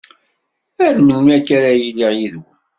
Ar melmi akka ara yiliɣ yid-wen!